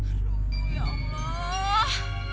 aduh ya allah